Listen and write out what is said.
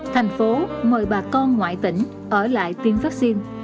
thành phố mời bà con ngoại tỉnh ở lại tiêm vaccine